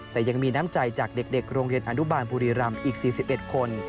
แต่ยังมีน้ำใจจากเด็กโรงเรียนอนุบาลบุรีรำอีก๔๑คน